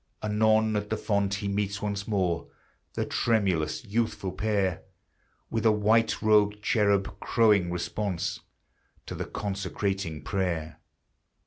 Anon at the font he meets once more The tremulous youthful pair, With a white robed cherub crowing response To the consecrating prayer.